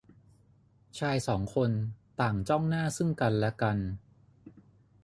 ชายสองคนต่างจ้องหน้าซึ่งกันและกัน